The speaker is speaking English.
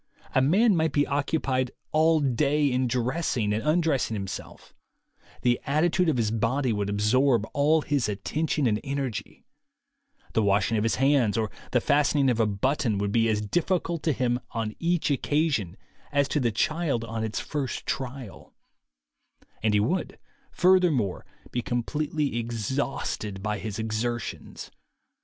A man might be occupied all day in dressing and undressing himself; the attitude of his body would absorb all his attention and energy; the washing of his hands or the fastening of a button would be as difficult to him on each occasion as to the child on its first trial; and he would, furthermore, be completely exhausted by his exertions.